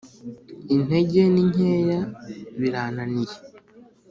Intege ni nkeya birananiye